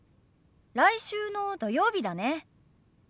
来週の土曜日だね。